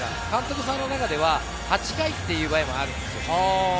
監督さんの中では８回っていう場合もあるんですよ。